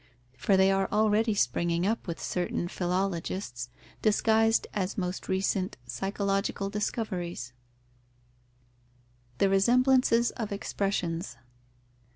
For they are already springing up with certain philologists, disguised as most recent psychological discoveries. _The resemblances of expressions.